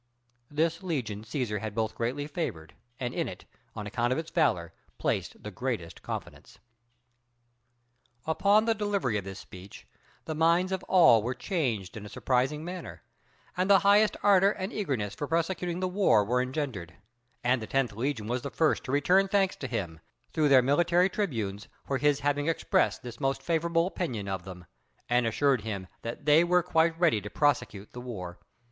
This legion Cæsar had both greatly favored, and in it, on account of its valor, placed the greatest confidence. Upon the delivery of this speech, the minds of all were changed in a surprising manner, and the highest ardor and eagerness for prosecuting the war were engendered; and the tenth legion was the first to return thanks to him, through their military tribunes, for his having expressed this most favorable opinion of them; and assured him that they were quite ready to prosecute the war.